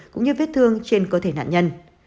cũng như viết thương trên cơ thể nạn nhân